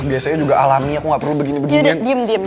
biasanya juga alami aku gak perlu begini begini